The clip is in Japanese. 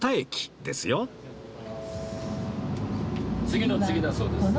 次の次だそうです。